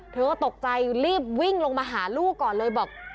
เธอก็ตกใจรีบวิ่งลงมาหาลูกก่อนเลยบอก